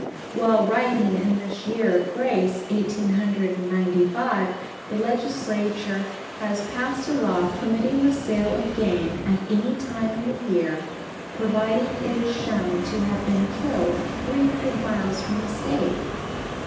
While writing in this year of grace, eighteen hundred and ninety five, the Legislature has passed a law permitting the sale of game at any time in the year, providing it is shown to have been killed 300 miles from the State.